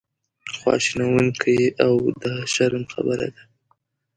دا خواشینونکې او د شرم خبره ده.